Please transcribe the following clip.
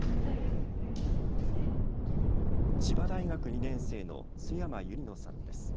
千葉大学２年生の須山優理乃さんです。